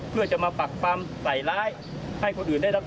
เพื่อจะมาปักปรรมไตรร้ายให้คนอื่นแรบ